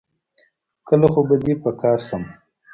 کله خو به دي په کار سم